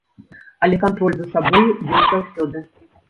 Але кантроль за сабою ёсць заўсёды.